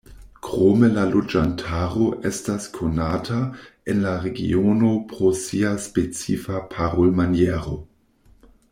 Krome la loĝantaro estas konata en la regiono pro sia specifa parolmaniero.